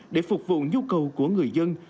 để phục vụ nhu cầu của người dân